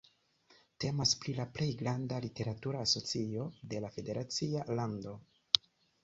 Temas pri la plej granda literatura asocio de la federacia lando.